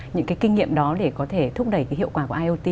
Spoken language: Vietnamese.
những cái kinh nghiệm đó để có thể thúc đẩy cái hiệu quả của iot